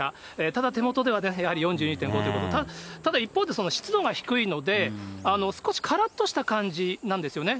ただ、手元ではね、やはり４２．５ということで、ただ一方で、湿度が低いので、少しからっとした感じなんですよね。